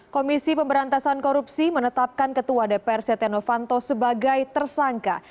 komisi pemberantasan korupsi menetapkan ketua dpr setia novanto sebagai tersangka